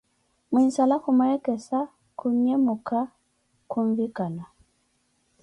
Muinzala khumwekesa, khun'nhemuka khunvikana